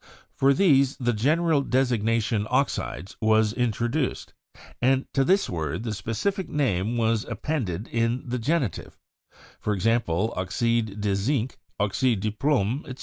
For these the gen eral designation 'oxides' was introduced, and to this word the specific name was appended in the genitive; for ex ample, 'oxide de zinc/ 'oxide de plomb,' etc.